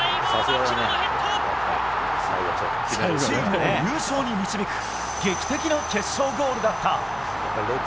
チームを優勝に導く劇的な決勝ゴールだった。